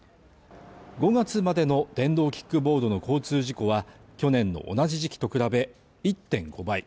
５月までの電動キックボードの交通事故は、去年の同じ時期と比べ１．５倍。